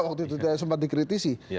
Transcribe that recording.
waktu itu tidak sempat dikritisi